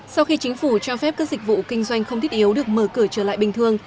sau khi chính phủ cho phép các dịch vụ kinh doanh không thiết yếu được mở cửa trở lại bình thường